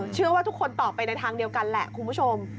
เชื่อว่าทุกคนตอบไปในทางเดียวกันแหละคุณผู้ชม